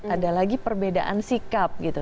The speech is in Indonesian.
ada lagi perbedaan sikap gitu